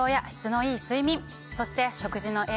そして。